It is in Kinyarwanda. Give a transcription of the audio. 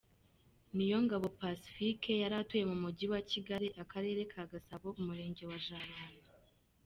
Niyongabo Pacifique, yari atuye mu mujyi wa Kigali akarere ka Gasabo umurenge wa Jabana.